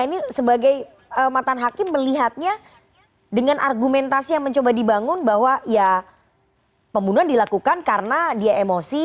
ini sebagai mantan hakim melihatnya dengan argumentasi yang mencoba dibangun bahwa ya pembunuhan dilakukan karena dia emosi